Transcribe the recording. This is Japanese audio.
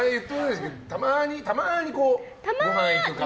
たまにごはん行くとかは？